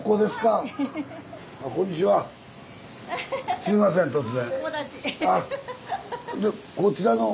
すいません突然。